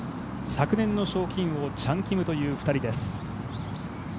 昨年の賞金王チャン・キムという２人です。